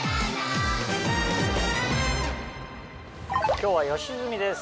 今日は吉住です。